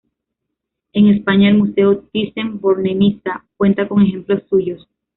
En España, el Museo Thyssen-Bornemisza cuenta con ejemplos suyos.